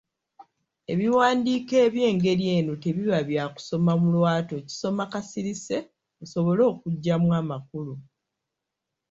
Ebiwandiiko eby’engeri eno tebiba bya kusoma mu lwatu, okisoma kasirise osobole okuggyamu amakulu.